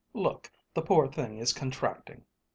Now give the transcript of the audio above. _Look, the poor thing is contracting.